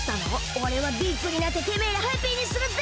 オレはＢＩＧになっててめえらハッピーにするぜ！